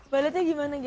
baletnya gimana gem